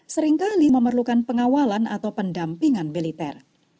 seringkali memerlukan pengawalan atau pendampingan militer